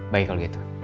baik kalau gitu